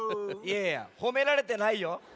いやいやほめられてないよ。